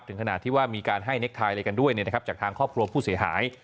ถึงขนาดที่ว่ามีการให้เน็กทายอะไรกันด้วยจากทางครอบครัวผู้เสียหาย